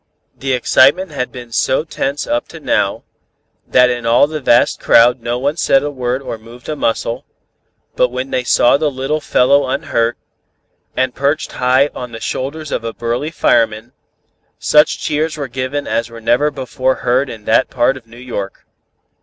"The excitement had been so tense up to now, that in all that vast crowd no one said a word or moved a muscle, but when they saw the little fellow unhurt, and perched high on the shoulders of a burly fireman, such cheers were given as were never before heard in that part of New York.